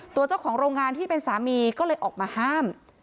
ตัวเจ้าของโรงงานที่เป็นสามีก็เลยออกมาห้าม